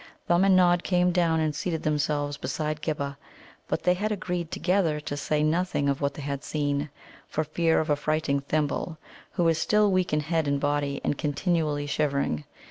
Thumb and Nod came down and seated themselves beside Ghibba, but they had agreed together to say nothing of what they had seen, for fear of affrighting Thimble, who was still weak in head and body, and continually shivering.